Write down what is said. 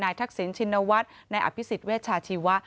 ทักษิณชินวัฒน์นายอภิษฎเวชาชีวะ